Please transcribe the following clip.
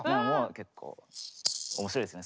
結構面白いですね